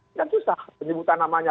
ini kan susah menyebutkan namanya